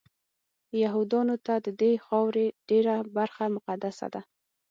یهودانو ته ددې خاورې ډېره برخه مقدسه ده.